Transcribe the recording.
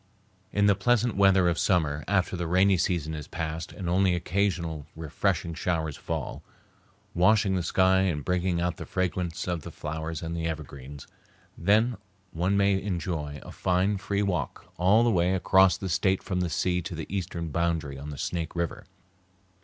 In the pleasant weather of summer, after the rainy season is past and only occasional refreshing showers fall, washing the sky and bringing out the fragrance of the flowers and the evergreens, then one may enjoy a fine, free walk all the way across the State from the sea to the eastern boundary on the Snake River.